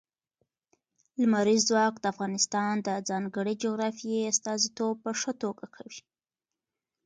لمریز ځواک د افغانستان د ځانګړي جغرافیې استازیتوب په ښه توګه کوي.